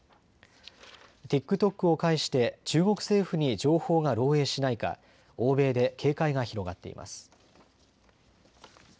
ＴｉｋＴｏｋを介して中国政府に情報が漏えいしないか欧米で警戒が広がっています。